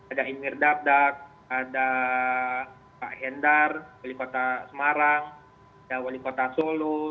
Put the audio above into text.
ada emir dardak ada pak hendar wali kota semarang wali kota solo